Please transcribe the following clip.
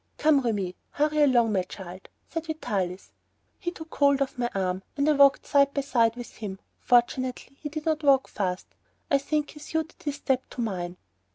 "Come, Remi, hurry along, my child," said Vitalis. He took hold of my arm and I walked side by side with him. Fortunately he did not walk fast. I think he suited his step to mine.